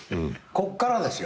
こっからですよ。